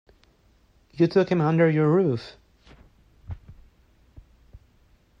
You took him under your roof.